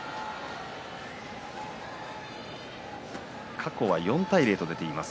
過去は４対０と出ています。